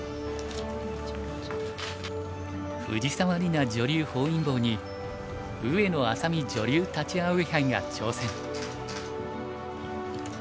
藤沢里菜女流本因坊に上野愛咲美女流立葵杯が挑戦。